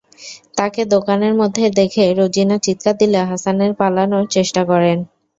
তাঁকে দোকানের মধ্যে দেখে রোজিনা চিৎকার দিলে হাসান পালানোর চেষ্টা করেন।